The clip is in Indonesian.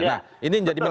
ya betul betul